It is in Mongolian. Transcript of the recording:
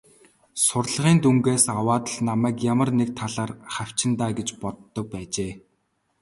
Сурлагын дүнгээс аваад л намайг ямар нэг талаар хавчина даа гэж боддог байжээ.